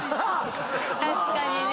確かにね。